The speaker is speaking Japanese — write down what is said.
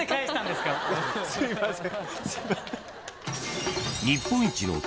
すいません。